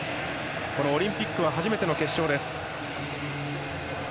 オリンピックは初めての決勝です。